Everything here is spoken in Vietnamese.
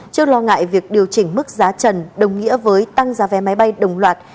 trước lo ngại việc điều chỉnh mức giá trần đồng nghĩa với tăng giá vé máy bay đồng loạt